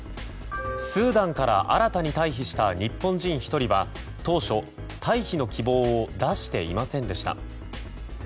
スーダンから新たに退避した日本人１人は当初、退避の希望を出していませんでした。